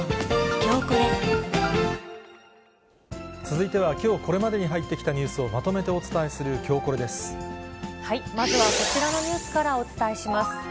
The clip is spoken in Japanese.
続いては、きょうこれまでに入ってきたニュースをまとめてお伝えするきょうまずはこちらのニュースからお伝えします。